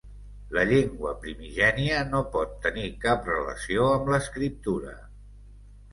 La llengua primigènia no pot tenir cap relació amb l'escriptura.